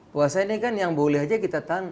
puasa ini kan yang boleh saja kita tahan